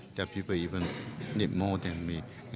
ada orang yang lebih membutuhkan dari saya